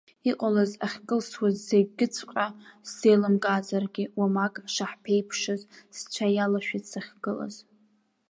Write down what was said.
Иҟалаз ахькылсуаз зегьыҵәҟьа сзеилымкаазаргьы, уамак шаҳԥеиԥшыз сцәа иалашәеит сахьгылаз.